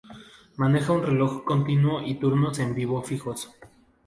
Maneja un reloj continuo y turnos en vivo fijos.